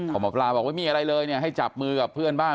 หมอปลาบอกว่ามีอะไรเลยให้จับมือกับเพื่อนบ้าง